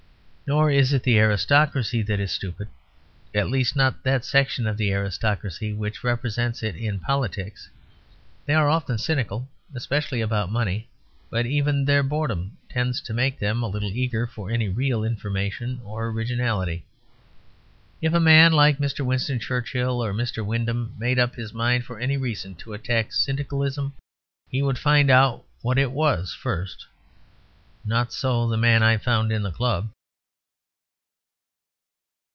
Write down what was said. Nor is it the aristocracy that is stupid; at least, not that section of the aristocracy which represents it in politics. They are often cynical, especially about money, but even their boredom tends to make them a little eager for any real information or originality. If a man like Mr. Winston Churchill or Mr. Wyndham made up his mind for any reason to attack Syndicalism he would find out what it was first. Not so the man I found in the club.